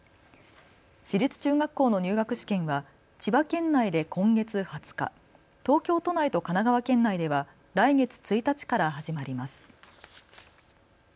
私立中学校の入学試験は千葉県内で今月２０日、東京都内と神奈川県内では来月１日から始まります。